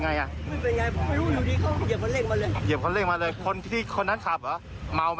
อันนั้นร่วมถามว่าดูอาการอย่างนี้มัว